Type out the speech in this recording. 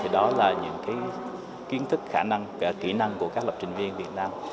đó là những kiến thức khả năng kỹ năng của các lập trình viên việt nam